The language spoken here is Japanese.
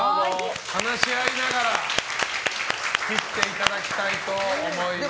話し合いながら切っていただきたいと思います。